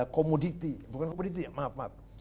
komoditi bukan komoditi ya maaf maaf